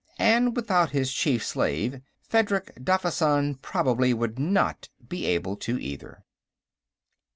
And without his chief slave, Fedrig Daffysan probably would not be able to, either.